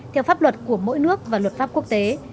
theo pháp luật của mỗi nước và luật pháp quốc tế